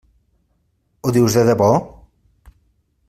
Ho dius de debò?